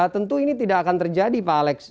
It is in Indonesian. tentu ini tidak akan terjadi pak alex